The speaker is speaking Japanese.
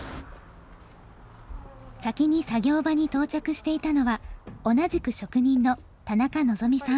先に作業場に到着していたのは同じく職人の田中望さん。